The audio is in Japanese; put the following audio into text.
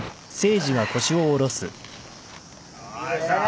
よいしょ